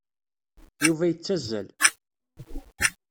Yuba yettazzal.